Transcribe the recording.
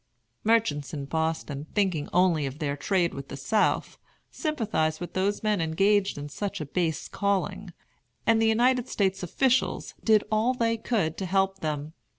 Merchants in Boston, thinking only of their trade with the South, sympathized with those men engaged in such a base calling; and the United States officials did all they could to help them.